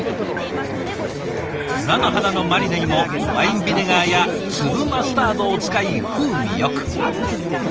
菜の花のマリネにもワインビネガーや粒マスタードを使い風味よく。